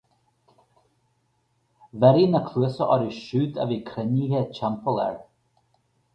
Bhioraigh na cluasa orthu siúd a bhí cruinnithe timpeall air.